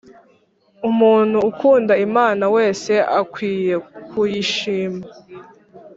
Umuntu ukunda Imana wese akwiye kuyishima